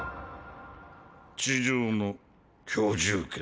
地上の居住権だ。